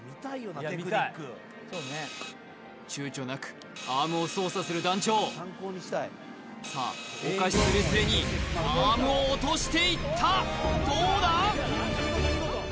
ちゅうちょなくアームを操作する団長さあお菓子スレスレにアームを落としていったどうだ？